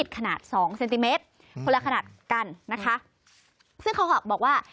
ครับค่ะ